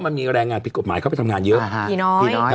มันมีแรงงานผิดกฎหมายเข้าไปทำงานเยอะ